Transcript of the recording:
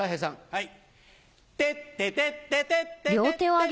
はい。